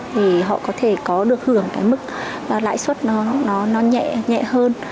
thì họ có thể có được hưởng cái mức lãi suất nó nhẹ nhẹ hơn